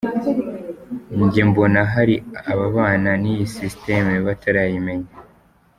Njye mbona hari ababana niyi system batarayimenya.